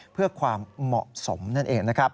เพื่อความเหมาะสมนั่นเองนะครับ